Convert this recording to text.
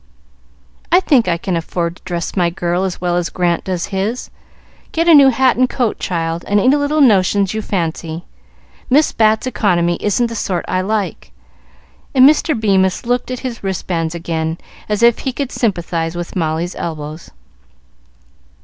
"I think I can afford to dress my girl as well as Grant does his. Get a new hat and coat, child, and any little notions you fancy. Miss Bat's economy isn't the sort I like;" and Mr. Bemis looked at his wristbands again, as if he could sympathize with Molly's elbows.